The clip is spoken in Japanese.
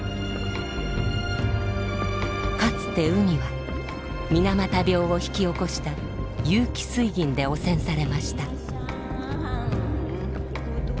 かつて海は水俣病を引き起こした有機水銀で汚染されました。